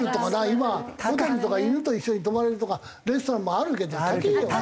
今ホテルとか犬と一緒に泊まれるとかレストランもあるけど高えよな。